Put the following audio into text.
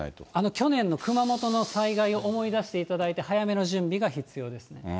去年の熊本の災害を思い出していただいて、早めの準備が必要ですね。